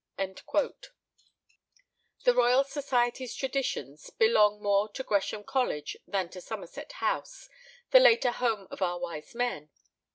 The Royal Society's traditions belong more to Gresham College than to Somerset House, the later home of our wise men.